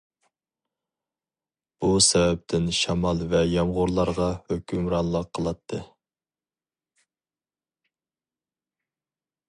بۇ سەۋەبتىن شامال ۋە يامغۇرلارغا ھۆكۈمرانلىق قىلاتتى.